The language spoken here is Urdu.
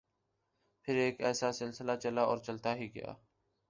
پھر ایک سلسلہ چلا اور چلتا ہی گیا۔